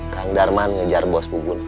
kang darman ngejar bos bu bun